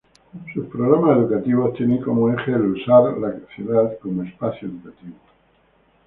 Sus programas educativos tienen como eje el usar la ciudad como espacio educativo.